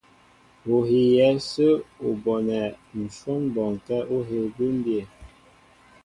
Ú hiyɛ ásə̄ ú bonɛ́ ǹshwɔ́n bɔnkɛ́ ú hēē bʉ́mbyɛ́.